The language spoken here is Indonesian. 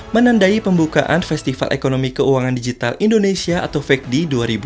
menandai pembukaan festival ekonomi keuangan digital indonesia atau fekdi dua ribu dua puluh